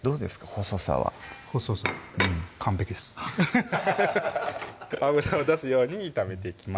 細さは細さうん完璧です脂を出すように炒めていきます